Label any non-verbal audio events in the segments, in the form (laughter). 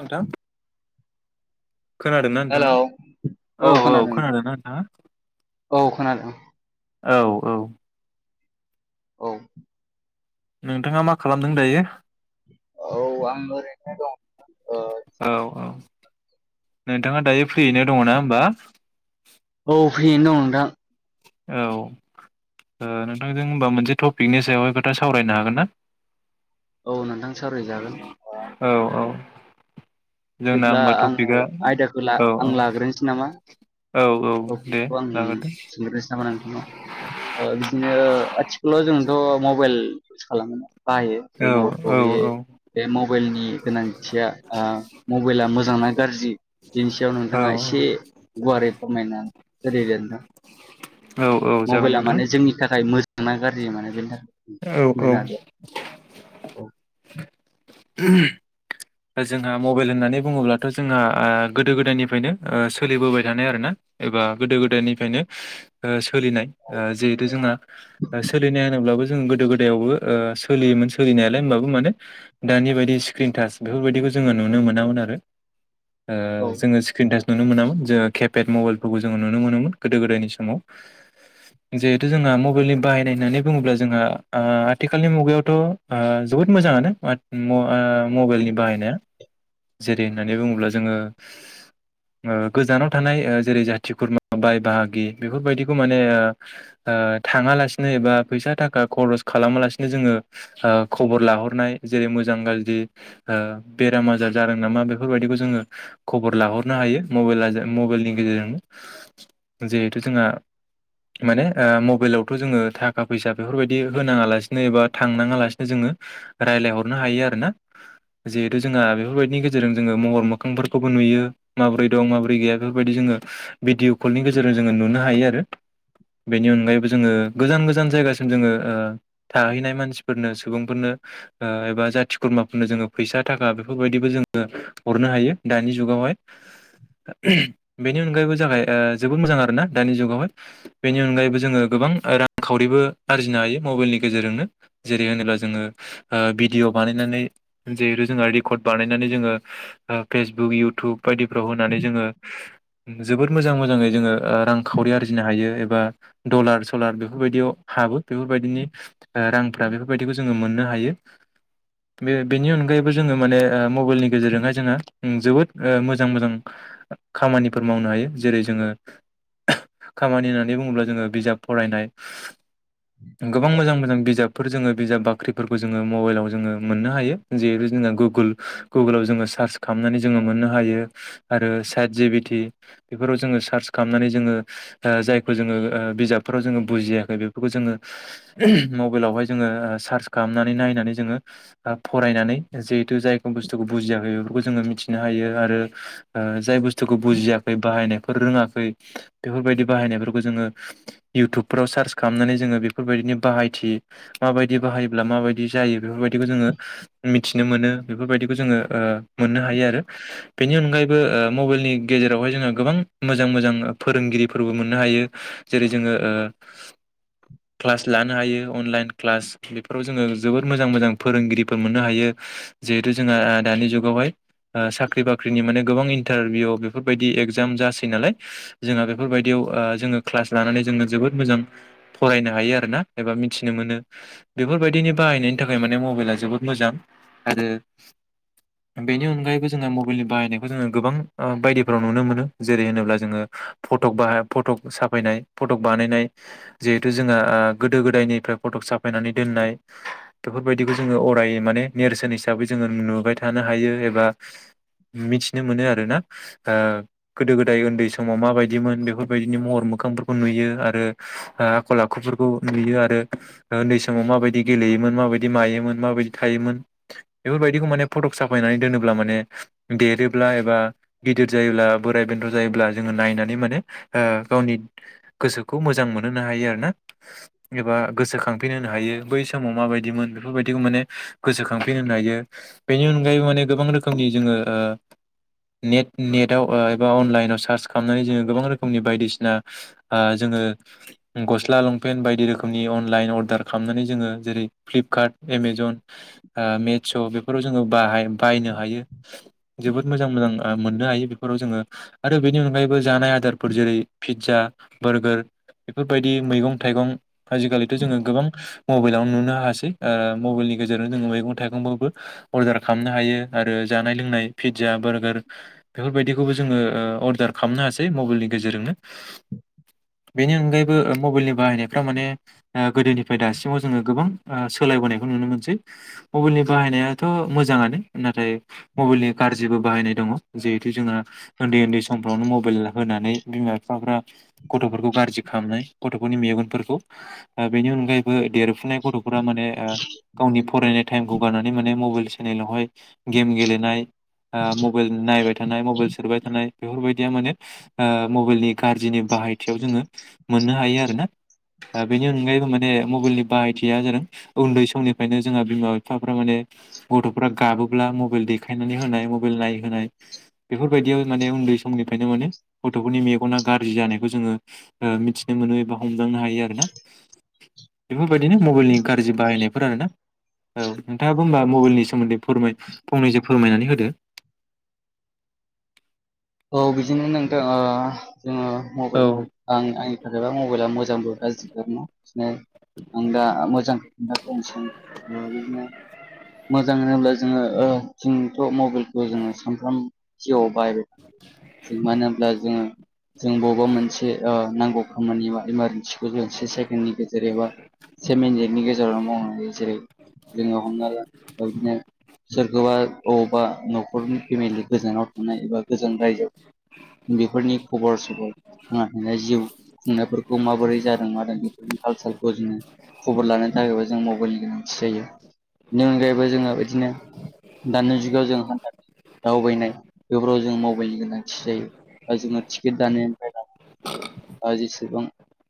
नोंथां खोनादोंना नोंथाङा हेलौ औ औ खोनादोंना नोंथाङा? औ खोनादों। औ औ औ नोंथाङा मा खालामदों दायो? औ आं ओरैनो दं ओ औ औ नोंथाङा दायो फ्रियैनो दङोना होमबा? औ फ्रियैनो दं नोंथां औ ओ नोंथांजों होमबा मोनसे टपिकनि सायावहाय खोथा सावरायनो हागोन ना? औ नोंथां सावराय जागोन औ औ। जोंना दिब्ला होमबा आङो टपिकआ आयदाखो ला औ आं औ लाग्रोनोसै नामा? औ औ (unintelligible) (unintelligible) ओ दे जागोन दे बिदिनो आथिखालाव जोंथ' मबाइल इउस खालामो ना? बायो औ औ (unintelligible) बे मबाइलनि गोनांथिया आ मबाइला मोजांना गारज्रि बिनि सायाव औ नोंथाङा एसे गुवारै फोरमायना होदो दे नोंथां (inaudible) औ जागोन मबाइला नोंथां माने जोंनि थाखाय मोजांना गाज्रि माने बेनि थाखाय औ औ। खमायनानै (unintelligible) दा जोंहा मबाइल होननानै बुङोब्लाथ' जोंहा ओ‌ गोदो गोदायनिफ्रायनो ओ सोलिबोबाय थानाय आरोना। एबा गोदो गोदायनिफायनो ओ सोलिनाय ओ जिहेथु जोंना सोलिनाय होनोब्लाबो जों गोदो गोदायावबो ओ सोलियोमोन सोलिनायालाय होमबाबो माने दानि बायदि स्क्रिन टाच बेफोरबायदिबो जोङो नुनो मोनामोन आरो ओ औ जोङो सो क्रिन टास नुनो मोनामोन जोङो केपेड मबाइलफोरखौ जोङो नुनो मोनोमोन गोदो गोदायनि समाव। जिहेथु जोंहा मबाइलनि बाहायनाय होननानै बुङोब्ला जोंहा ओ आथिखालनि मुगायावथ' ओ जोबोद मोजाङानो मात म ओ मबेइलनि बाहायनो जेरै होननानै बुङोब्ला जोङो ओ गोजानाव थानाय ओ जेरै जाथि खुरमा बाय बाहागि बेफोरबायदिखौ माने ओ ओ थाङालासिनो एबा फैसा थाखा खरस खालामा लासिनो जोङो ओ खबर लाहरनाय जेरै मोजां गाज्रि ओ बेराम आजार जादों नामा बेफोरबायदिखौ जोङो खबर लाहरनो हायो मबायला जा मबाइलनि गेजेरजों जिहेथु जोङा माने ओ मबाइलावथ' जोङो थाखा फैसा बेफोरबायदि होनाङा लासिनो एबा थांनाङा लासिनो जोङो रायलायहरनो हायो आरो ना? जिहेतु जोंहा बेफोरबायदिनि गेजेरजों जोङो महर मोखांफोरखौबो नुयो माबोरै दं माबोरै गैया बेफोरबायदि जोङो भिडिअ कलनि गेजेरजों जोङो नुनो हायो आरो। बेनि अनगायैबो जोङो गोजान गोजान जायगासिम जोङो ओ थाहैनाय मानसिफोरनो सुबुंफोरनो ओ एबा जाथि खुरमाफोरनो जोङो फैसा थाखा बेफोरबायदिबो जोङो हरनो हायो दानि जुगावहाय। बेनि अनगायैबो जागाय ओ जोबोद मोजां आरोना दानि जुगावहाय। बेनि अनगायैबो जोङो गोबां रांखावरिबो आरजिनो हायो मबेइलनि गेजेरजोंनो जेरै होनोब्ला जोङो ओ भिदिअ' बानायनानै जिहेदु जोङो रेकर्ड बानायनानै जोङो ओ पेसबुक इउथुब बायदिफ्राव होनानै जोङो जोबोद मोजां मोजाङै जोङो ओ रांखावरि आरजिनो हायो एबा डलार सलार बेफोरबायदियाव हाबो बेफोरबायदिनि ओ रांफ्रा बेफोरबायदिखौ जोङो मोननो हायो बे बेनि अनगायैबो जोङो माने ओ मबाइलनि गेजेरजोंहाय जोङो जोबोद ओ मोजां मोजां खामानिफोर मावनो हायो जेरै जोङो (unintelligible) खामानि होननानै बुङोब्ला जोङो बिजाब फरायनाय गोबां मोजां मोजां बिजाबफोर जोङो बिजाब बाख्रिफोरबो जोङो मबाइलाव जोङो मोननो हायो। जेरै जोङो गुगुल गुगुलाव जोङो सार्च खालामनानै जोङो मोननो हायो आरो साट जि भि टि बिफोराव जोङो सार्च खालामनानै जोङो ओ जायखौ ओ जोङो बिजाबफोराव जोङो बुजियाखै बेफोरखौ जोङो मबाइलावहाय जोङो ओ सार्च खामनानै नायनानै जोङो फरायनानै जिहेथु जाय बुस्थुखौ बुजियाखै बेफोरखौ जोङो मिथिनो हायो आरो ओ जाय बुस्थुखौ बुजियाखै बाहायनायफोर रोङाखै बेफोरबायदि बाहायनायफोरखौ जोङो इउटुबफोराव सार्च खालामनानै जोङो बेफोरबायदिनि बाहायथि माबायदि बाहायोब्ला माबायदि जायो बेफोरबायदिखौ जोङो मिथिनो मोनो बेफोरबायदिखौ जोङो ओ मोननो हायो आरो बेनि अनगायैबो ओ मबाइलनि गेजेरावहाय जोङो गोबां मोजां मोजां फोरोंगिरिफोरबो मोननो हायो। जेरै जोङो ओ क्लास लानो हायो अनलाइन क्लास बेफोराव जोङो जोबोद मोजां मोजां फोरोंगिरि फोर मोननो हायो जिहेथु जोङो ओ दानि जुगावहाय ओ साख्रि बाख्रिनि माने गोबां इन्टारभिउआव बेफोरबायदि एगजाम जासै नालाय जोंहा बेफोरबायदियाव ओ जोङो क्लास लानानै जोङो जोबोद मोजां फरायनो हायो आरोना एबा मिथिनो मोनो बेफोरबायदिनि बाहायनायनि थाखाय माने मबाइला जोबोद मोजां आरो बेनि अनगायैबो जोङो मबाइलनि बाहायनायखौ जोङो गोबां ओ बायदिफोराव नुनो मोनो जेरै होनोब्ला जोङो फट'क बाह फट'क साफायनाय फट'क बानायनाय। जिहेथु जोङो ओ गोदो गोदायनिफ्राय फट'क साफायनानै दोननाय बेफोरबायदिखौ जोङो अर रायै माने नेरसोन हिसाबै जोङो नुबाय थानो हायो एबा मिथिनो मोनो आरो ना ओ गोदो गोदाय उन्दै समाव माबायदिमोन बेफोरबायदिनि महर मोखांफोरखौ नुयो आरो ओ आखल आखुफोरखौ नुयो आरो ओ उन्दै समाव माबायदि गेलेयोमोन माबायदि मायोमोन माबायदि थायोमोन बेफोरबायदिखौ माने फटक साफायनानै दोनोब्ला माने देरोब्ला एबा गिदिर जायोब्ला बोराय बेन्थ' जायोब्ला जोंङो नायनानै माने गावनि गोसोखौ मोजां मोनहोनो हायो आरोना। एबा गोसोखांफिन होनो हायो बै समाव माबायदिमोन बेफोरबायदिखौ माने गोसोखांफिनहोनो हायो बेनि अनगायैबो माने गोबां रोखोमनि जोङो ओ नेट नेटाव एबा अनलाइनाव सार्च खालामनानै जोङो गोबां रोखोमनि बायदिसिना ओ जोङो गस्ला लंपेन्ट बायदि रोखोमनि अनलाइन अर्डार खालामनानै जोङो जेरै फ्लिपकार्ट एमाजन ओ मेच्च' बेफोराव जोङो बाहाय बायनो हायो जोबोद मोजां मोजां ओ मोननो हायो बेफोराव जोंङो आरो बेनि अनगायैबो जानाय आदारफोर जेरै पिज्जा बारगार बेफोरबायदि मैगं थाइगं आजिखालिथ' जोंङो गोबां मबाइलावनो नुनो हासै मबाइलनि गेजेरजों जोंङो मैगं थाइगंखौबो अर्डार खालामनो हायो आरो जानाय लोंनाय पिज्जा बारगार बेफोरबायदिखौबो जोंङो ओ अर्दार खालामनो हासै मबाइलनि गेजेरजोंनो। बेनि अनगायैबो ओ मबाइलनि बाहायनायफ्रा माने ओ गोदोनिफ्राय दासिमाव जोङो गोबां ओ सोलायबोनायखौ नुनो मोनसै। मबाइलनि बाहायनायाथ' मोजाङानो नाथाय मबाइलनि गाज्रिबो बाहायनाय दङ जिहेथु जोङो उन्दै उन्दै समफ्रावनो मबाइल होनानै बिमा बिफाफ्रा गथ'फोरखौ गाज्रि खालामनाय गथ'फोरनि मेगनफोरखौ ओ बेनि अनगायैबो देर फुनाय गथ'फोरा माने ओ गावनि फरायनाय टाइमखौ गारनानै माने मबाइल सेनेलावहाय गेम गेलेनाय ओ मबाइल नायबाय थानाय मबाइल सेरबाय थानाय बेफोरबायदिया माने ओ मबाइलनि गाज्रिनि बाहायथियाव जोंङो मोननो हायो आरोना ओ बेनि अनगायैबो माने मबाइलनि बाहायथिया जादों उन्दै समनि ओंखायनो जोंहा बिमा बिफाफ्रा माने गथ'फोरा गाबोब्ला मबाइल देखायनानै होनाय मबाइल नायहोनाय बेफोरबायदियाव माने उन्दै समनिफ्रायनो माने गथ'फोरनि मेगना गाज्रि जानायखौ जोंङो ओ मिथिनो मोनो एबा हमदांनो हायो आरोना बेफोरबायदिनो मबाइलनि गाज्रि बाहायनायफोर आरोना औ नोंथाङाबो होनबा मबाइलनि सोमोन्दै फोरमाय फंनैसो फोरमायनानै होदो। औ बिदिनो नोंथां ओ जोङो औ मबाइलखौ आं आंनि थाखायबा मबाइला मोजांबो गाज्रिबो आं दा मोजांखौ खोनथाग्रोनोसै बिदिनो मोजां होनब्ला जोङो ओ जोङोथ' मबाइलखौ जोङो सानफ्राम जिउवाव बाहाय मानो होनोमब्ला जोङो जों बबेबा मोनसे ओ नांगौ खामानि बा इमारजेन्सि गोजसे सेकेणडनि गेजेर एबा से मिनिटनि गेजेरावनो मावनानै जेरै जोंङो हमना ला बिदिनो सोरखौबा अबावबा न'खरनि फेमिलि गोजानाव थानाया एबा गोजान रायजोआव बेफोरनि खबर सबर थांना थानायानाय जिउ खुंनायफोरखौ माबोरै जादों मादों बेफोर कालसारखौ जोङो खबर लालायनो थाखायबो जों मबाइलनि गोनांथि जायो बेनि अनगायैबो जोङो बिदिनो दानि जुगाव जों हान दावबायनाय बेफोराव जों मबाइलनि गोनांथि जायो बा जोङो टिकेट दानायफ्राव आ जेसेबां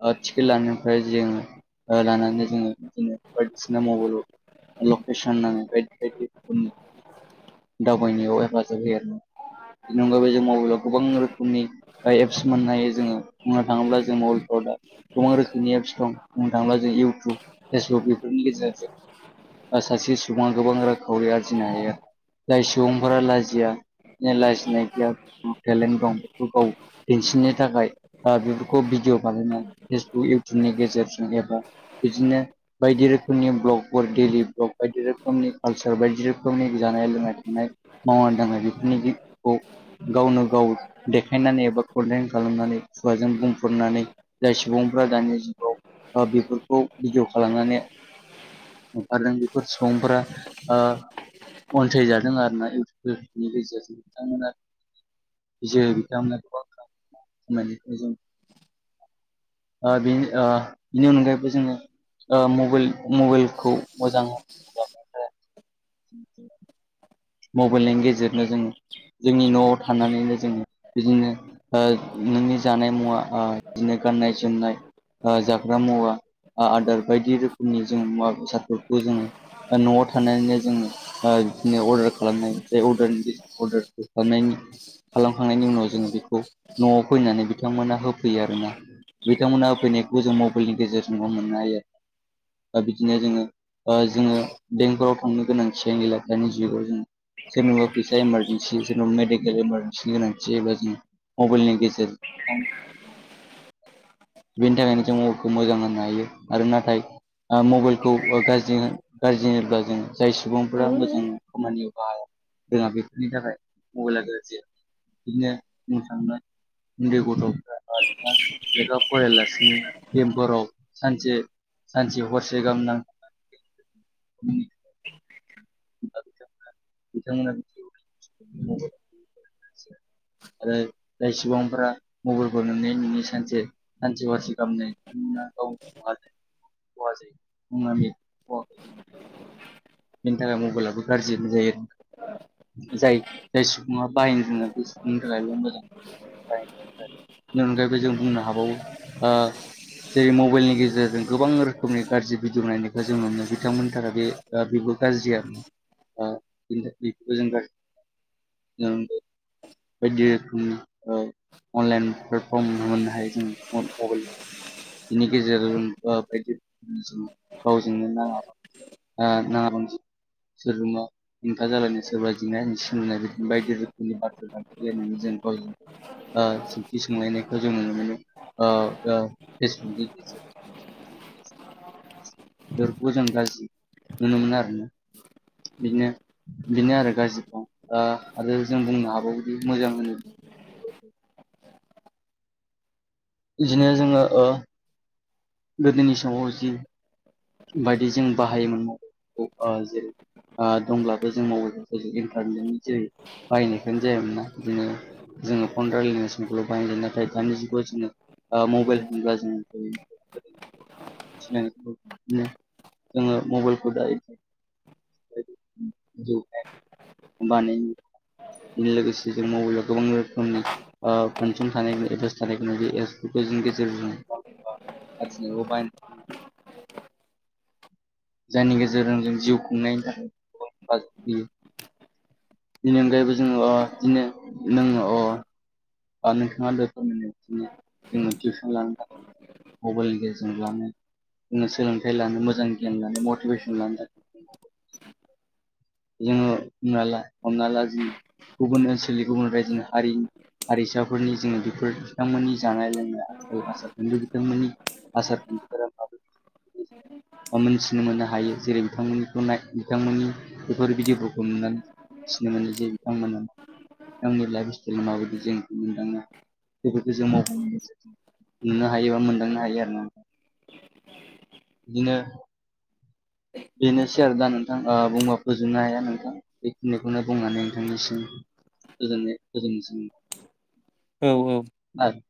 ओ टिकेट लानायनिफ्राय जोङो ओ लानानै जोङो बिदिनो बायदिसिना मबाइलाव लकेसन नायनाय बायदि बायदिखौनो दावबायनायाव हेफाजाब होयो आरो। (unintelligible) एप्स मोननो हायो जोंङो बुंनो थाङोब्ला जों अल्ट दा। गोबां रोखोमनि एप्स दं बुंनो थाङोब्ला जों इउटुब फेसबुक बेफोरनि गेजेरजों। सासे सुबुङा गोबां रांखावरि आरजिनो हायो। जाय सुबुंफोरा लाजिया जाय लाजिनाय गैया टेलेन्ट दं बेखौ गाव। दिन्थिनो थाखाय बेफोरखौ भिडिय' बानायनाय फेसबुक इउटुबनि गेजेरजों एबा। इदिनो बायदि रोखोमनि ब्लकफोर डेलि ब्लक बायदि रोखोमनि कालसार बायदि रोखोमनि जानाय लोंनाय थानाय। मावा दांआ जिउखौनो जि खौ गावनो गाव देखायनानै एबा कनटेन खालामनानै खुवाजों बुंफनानै जाय सुबुंफ्रा दानि जिउआव बेफोरखौ भिडिअ' खालामनानै ओंखारदों बेफोर सुबुंफोरा ओ अनसायजादों आरो ना इउटुबफोरनि गेजेरजों बिथांमोना (unintelligible) बे बेनि अनगायैबो जोंङो ओ मबाइल मबाइलखौ मोजां (unintelligible) मबाइलनि गेजेरनो जोङो जोंनि न'आव थानानैनो जोङो बिदिनो ओ नोंनि जानाय मुवा बिदिनो गाननाय जोमनाय जाग्रा मुवा आदार बायदि रोखोमनि जों मुवा बेसादफोरखौ जोंङो न'आव थानानैनो जों बिदिनो अदार। खालामनायारा (unintelligible) खालामनायनि खालामखांनायनि उनाव जोङो बेखौ न'आव फैनानै बिथांमोना होफैयो आरोना। बिथांमोना फैनायखौ जों मबाइलनि गेजेरजोंबो मोननो हायो। दा बिदिनो जोङो ओ जोङो बेंकफोराव थांनो गोनांथिआनो गैला दानि जुगाव जोङो। सोरनोबा फैसा इमारजेनन्सि सोरनबा मेडिकेल इमारजेन्सि गोनांथिैबा जों मबाइलनि गेजेरजों (unintelligible) बेनि थाखायनो जों (unintelligible) मोजां होनो हायो आरो नाथाय मबाइलखौ गाज्रि होनब्ला जों जाय सुबुंफोरा मोजां खामानियाव। बा जोंहा बेफोरनि थाखाय मबाइला गोनांथि। बिदिनो बुंनो थांब्ला उन्दै गथ'फ्रा ओ नोंथां लेखा फरायालासिनो गेमफोराव सानसे सानसे हरसे गाहाम नां। (inaudible) आरो जाय सुबुं फोरा मबाइलफोर नोंनि नोंनि सानसे सानसे फारसे खालामनाय। (inaudible) खहा जायो हमनानै अ। बेनि थाखाय मबाइलाबो गाज्रि होन जायो जाय जाय सुबुङा बाहायनो रोङो बिसिनि थाखायबो मोजां ओमफाय अनगायैबो जों बुंनो हाबावो ओ जेरै मबाइलनि गेजेरजों गोबां रोखोमनि गाज्रि भिडिय' नायनायखौ जों नुनो बिथांमोन थाखाय बे। दा बेबो गाज्रि आरोना बेबो जों गाज्रि (inaudible) बायदि रोखोमनि अनलाइन प्लेटफर्म नु मोननो हायो जों मबाइल बिनि गेजेराव जों ओ बायदि (unintelligible) गावजोंनो नाङाबा। (unintelligible) हेंथा जालायनाय सोरबा जिनाय सोलनाय बिदि बायदि रोखोमनि बाथ्रा दानख्रिलायनानै जों गावजों ओ गाव सोंथि सोंलायनायखौ जों नुनो मोनो फेसबुकनि गेजेरजों (inaudible) (unintelligible) गाजि नुनो मोनो आरो ना बिदिनो बिनो आरो गाजिखौ आ आरो जों बुंनो हाबावोदि मोजां होनो (inaudible) इदिनो जोङो ओ गोदोनि समाव जि बायदि जों बाहायोमोन (unintelligible) जेरै आ दंब्लाबो जों (unintelligible) जोरै बाहायनायखोनो जायामोना बिदिनो जोङो फन रायलायनाय समखौल' बायगोन नाथाय दानि जुगाव जोङो आ मबाइल (unintelligible) नो जोङो मबेलखौ दायो जे (unintelligible) बानायनो लोगोसे जों मबेलाव गोबां रोखोमनि ओ पनचन (unintelligible) (unintelligible) जायनि गेजेरजों जों जिउ खुंनायनि थाखाय (unintelligible) हेफाजाब होयो बिनि अनगायैबो जोङो अ बिदिनो नङो अ बा नोथाङा (unintelligible) जोङो टिउसन लानो मबाइलनि गेजेरजों लानो नो सोलोंथाइ लानो मोजां गियान लानो मटिभेसन लानो (inaudible) जोङो बुंना ला हमना ला जों गुबुन ओनसोलनि गुबुन रायजोनि हारिनि हारिसाफोरनि जोङो बेफोर बिथांमोननि जानाय लोंनाय (unintelligible) बिथांमोननि आसार खान्थिफोरा (unintelligible) (inaudible) मोनथिनो मोननो हायो जेरै बिथांमोननिखौ नाय बिथांमोननि बेफोर भिदिअफोरखौ नुनानै फिनो मोनो जे बिथांमोना आंनि लाइफ (unintelligible) जों मोनदाङा बेफोरखौ जों (unintelligible) नुनो हायोबा मोनदांनो हायो आरो ना (inaudible) बिदिनो बेनोसै आरो दा नोंथां ओ बुंबा फोजोबनो हाया नोंथां बेखिनिखौनो बुंनानै नोंथांनिसिम‌ गोजोन्नाय गोजोन औ औ (unintelligible)